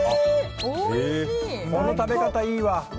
この食べ方、いいわ！